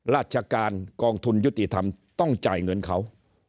ราชการกองทุนยุติธรรมต้องจ่ายเงินเขา